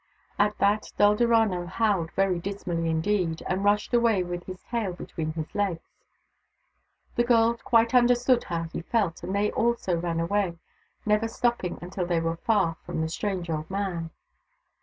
At that Dulderana howled very dismally indeed, and rushed away with his tail between his legs. The girls quite understood how he felt, and they also ran away, never stopping until they were far from the strange old man.